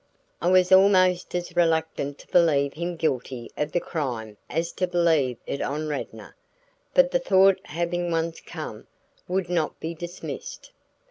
I was almost as reluctant to believe him guilty of the crime as to believe it of Radnor, but the thought having once come, would not be dismissed.